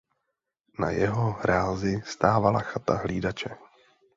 Na jeho hrázi stávala chata hlídače.